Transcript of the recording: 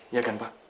iya kan pak